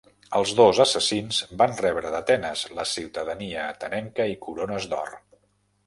Els dos assassins van rebre d'Atenes la ciutadania atenenca i corones d'or.